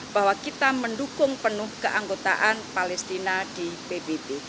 bahwa kita mendukung penuh keanggotaan palestina di pbb